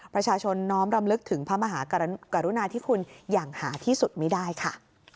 ประชาชนน้อมรำลึกถึงพระมหากรุณาที่คุณอย่างหาที่สุดไม่ได้ค่ะ